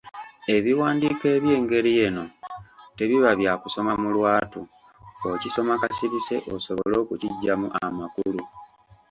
Ebiwandiiko eby’engeri eno tebiba bya kusoma mu lwatu, okisoma kasirise osobole okuggyamu amakulu.